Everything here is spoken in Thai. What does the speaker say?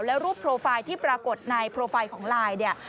และรูปโปรไฟล์ที่ปรากฏในโปรไฟล์ของไลน์เนี่ย